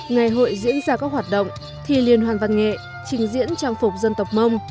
ngày hội diễn ra các hoạt động thi liên hoàn văn nghệ trình diễn trang phục dân tộc mông